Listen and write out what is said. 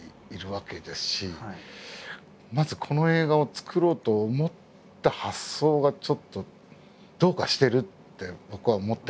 まずこの映画を作ろうと思った発想がちょっとどうかしてるって僕は思ってたんですけど。